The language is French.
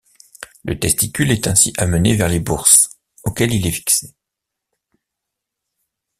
Le testicule est ainsi amené vers les bourses, auxquelles il est fixé.